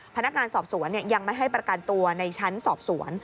พนักงานสอบสวนยังไม่ให้ประกันตัวในชั้นสอบสวน